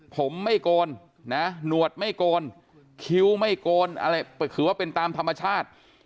ผมไม่โกนนะหนวดไม่โกนคิ้วไม่โกนอะไรถือว่าเป็นตามธรรมชาติ